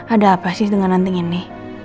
ada apa sih dengan anting ini